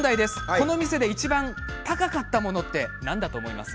この店でいちばん高かったものって何だと思います？